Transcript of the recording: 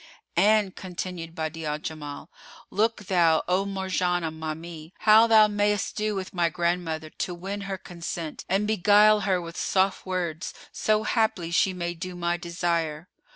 '" "And," continued Badi'a al Jamal, "Look thou, O Marjanah, ma mie,[FN#459] how thou mayst do with my grandmother, to win her consent, and beguile her with soft words, so haply she may do my desire."